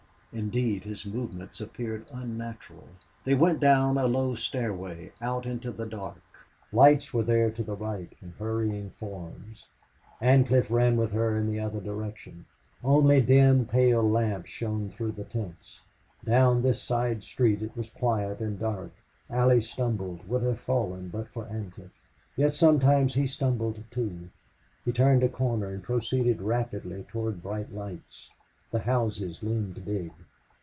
Indeed, his movements appeared unnatural. They went down a low stairway, out into the dark. Lights were there to the right, and hurrying forms. Ancliffe ran with her in the other direction. Only dim, pale lamps shone through tents. Down this side street it was quiet and dark. Allie stumbled, too. He turned a corner and proceeded rapidly toward bright lights. The houses loomed big.